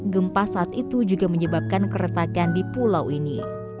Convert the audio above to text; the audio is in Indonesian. gempa saat itu juga menyebabkan keretakan di pulau ini